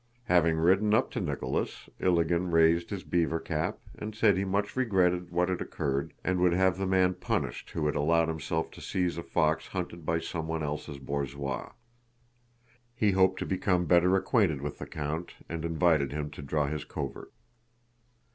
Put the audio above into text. Having ridden up to Nicholas, Ilágin raised his beaver cap and said he much regretted what had occurred and would have the man punished who had allowed himself to seize a fox hunted by someone else's borzois. He hoped to become better acquainted with the count and invited him to draw his covert.